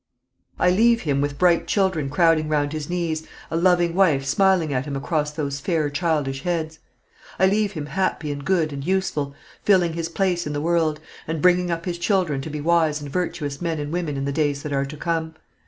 I leave him with bright children crowding round his knees, a loving wife smiling at him across those fair childish heads. I leave him happy and good and useful, filling his place in the world, and bringing up his children to be wise and virtuous men and women in the days that are to come.